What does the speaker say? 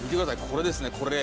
これですねこれ。